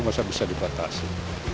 masa bisa dipatasi